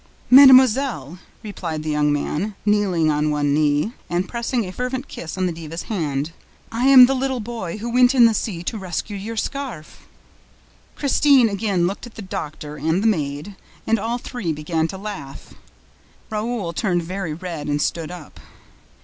"Mademoiselle," replied the young man, kneeling on one knee and pressing a fervent kiss on the diva's hand, "I AM THE LITTLE BOY WHO WENT INTO THE SEA TO RESCUE YOUR SCARF." Christine again looked at the doctor and the maid; and all three began to laugh. Raoul turned very red and stood up.